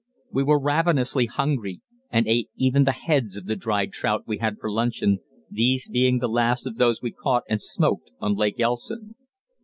We were ravenously hungry, and ate even the heads of the dried trout we had for luncheon, these being the last of those we caught and smoked on Lake Elson.